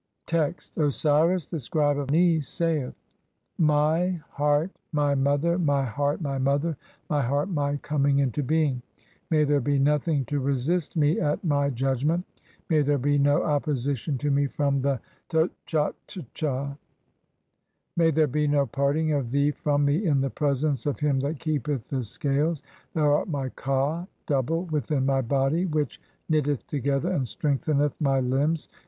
Text : Osiris, the scribe Ani, saith :— "My 1 heart my mother, my heart my mother, my heart my "coming into being. May there be nothing to resist me at [my] "judgment ; may there be no opposition to me from the Tchatcha ; 2 "may there be no parting of thee from me in the presence of "him that keepeth the scales. Thou art my Ka (i. e., double) "within my body [which] knitteth together and strengthened "my limbs.